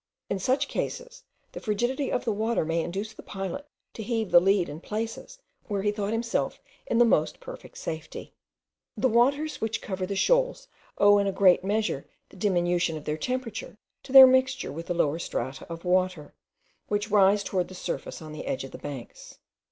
In such cases, the frigidity of the water may induce the pilot to heave the lead in places where he thought himself in the most perfect safety. The waters which cover the shoals owe in a great measure the diminution of their temperature to their mixture with the lower strata of water, which rise towards the surface on the edge of the banks.